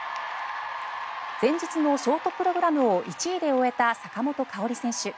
前日のショートプログラムを１位で終えた坂本花織選手。